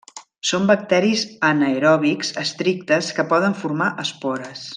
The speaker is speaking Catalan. Són bacteris anaeròbics estrictes que poden formar espores.